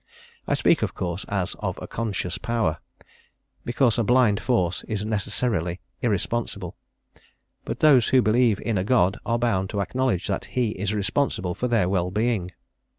I speak, of course, as of a conscious Power, because a blind Force is necessarily irresponsible; but those who believe in a God are bound to acknowledge that He is responsible for their well being.